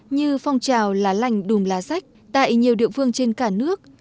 như phong trào lá lành đùm lá sách tại nhiều địa phương trên cả nước